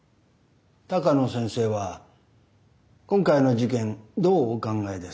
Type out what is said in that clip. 鷹野先生は今回の事件どうお考えですか？